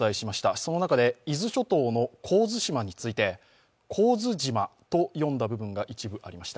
その中で伊豆諸島の神津島について「こうづじま」と読んだ部分がありました。